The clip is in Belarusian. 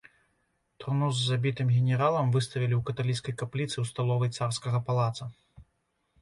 Труну з забітым генералам выставілі ў каталіцкай капліцы ў сталовай царскага палаца.